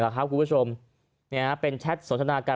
คุณผู้ชมเป็นแชทสนทนาการ